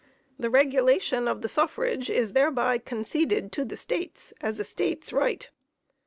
The regulation of the suffrage is thereby conceded to the States as a State's right.